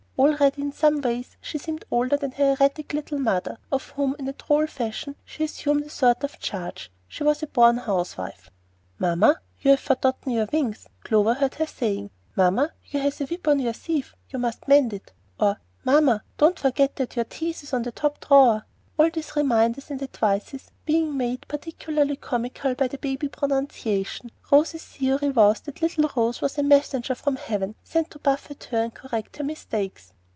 Already, in some ways she seemed older than her erratic little mother, of whom, in a droll fashion, she assumed a sort of charge. She was a born housewife. "Mamma, you have fordotten your wings," Clover would hear her saying. "Mamma, you has a wip in your seeve, you must mend it," or "Mamma, don't fordet dat your teys is in the top dwawer," all these reminders and advices being made particularly comical by the baby pronunciation. Rose's theory was that little Rose was a messenger from heaven sent to buffet her and correct her mistakes.